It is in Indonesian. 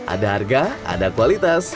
ada harga ada kualitas